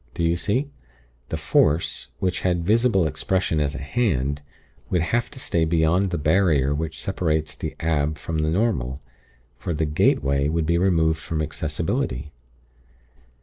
Do you see? The Force, which had visible expression as a Hand, would have to stay beyond the Barrier which separates the Ab from the Normal; for the 'gateway' would be removed from accessibility.